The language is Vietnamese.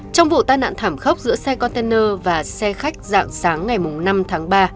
trong vụ tai nạn thảm khốc giữa xe container và xe khách dạng sáng ngày năm tháng ba